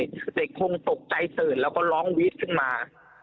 คือเด็กคงตกใจเตินแล้วก็ร้องวิทย์ขึ้นมา